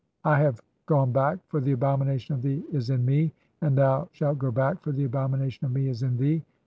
I have "gone back, for the abomination of thee is in me ; and thou "shalt go back, for the abomination of me is in thee.